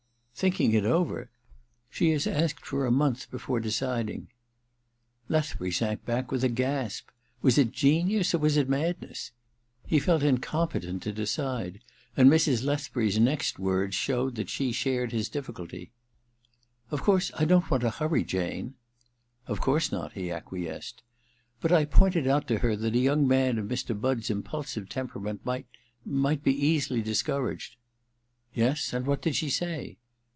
* Thinking it over ?*' She has asked for a month before deciding/ 1 88 THE MISSION OF JANE v Lethbury sank back with a gasp. Was it genius or was it madness ? lie felt incom petent to decide ; and Mrs. Lethbury's next words showed that she shared his difficulty. * Of course I don't want to hurry Jane '* Of course not,' he acquiesced. ' But I pointed out to her that a young man of Mr. Budd's impulsive temperament might — might be easily discouraged '* Yes ; and what did she say